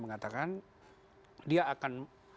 mengatakan dia akan